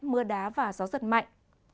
mưa đá và gió giật mạnh